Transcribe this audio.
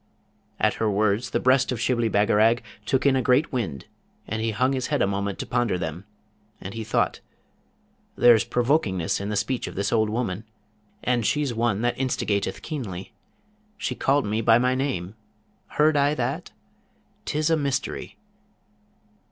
At her words the breast of Shibli Bagarag took in a great wind, and he hung his head a moment to ponder them; and he thought, 'There's provokingness in the speech of this old woman, and she's one that instigateth keenly. She called me by my name! Heard I that? 'Tis a mystery!'